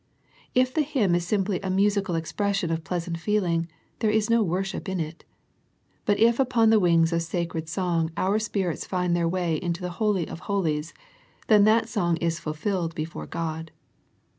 If the hymn is simply a musical ex pression of pleasant feeling, there is no wor • ship in it. But if upon the wings of sacred song our spirits find their way into the Holy of Holies, then that song is fulfilled before God.